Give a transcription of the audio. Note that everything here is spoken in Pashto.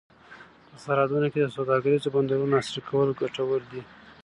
په سرحدونو کې د سوداګریزو بندرونو عصري کول ګټور دي.